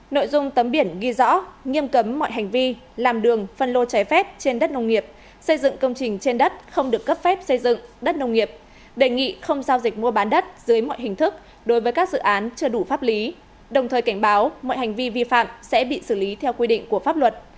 nội dung tấm biển ghi rõ nghiêm cấm mọi hành vi làm đường phân lô trái phép trên đất nông nghiệp xây dựng công trình trên đất không được cấp phép xây dựng đất nông nghiệp đề nghị không giao dịch mua bán đất dưới mọi hình thức đối với các dự án chưa đủ pháp lý đồng thời cảnh báo mọi hành vi vi phạm sẽ bị xử lý theo quy định của pháp luật